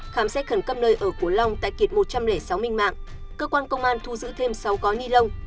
khám xét khẩn cấp nơi ở của long tại kiệt một trăm linh sáu minh mạng cơ quan công an thu giữ thêm sáu gói ni lông